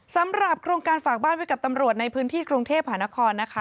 สำหรับโครงการฝากบ้านไว้กับตำรวจในพื้นที่กรุงเทพหานครนะคะ